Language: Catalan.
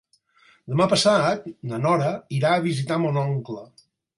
Demà passat na Nora irà a visitar mon oncle.